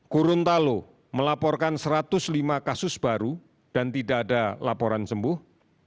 gorontalo melaporkan satu ratus lima kasus baru dan tidak ada laporan sembuh